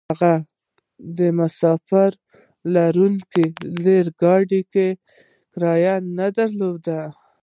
هغه د مساپر وړونکي ريل ګاډي کرايه نه درلوده.